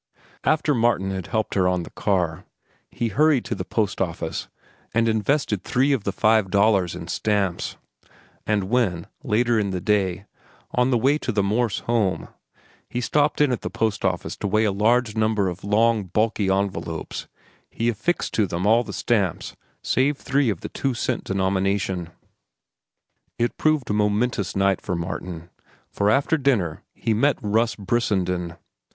After Martin had helped her on the car, he hurried to the post office and invested three of the five dollars in stamps; and when, later in the day, on the way to the Morse home, he stopped in at the post office to weigh a large number of long, bulky envelopes, he affixed to them all the stamps save three of the two cent denomination. It proved a momentous night for Martin, for after dinner he met Russ Brissenden.